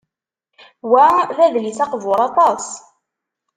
Wa d adlis aqbur aṭas.